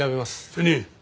主任。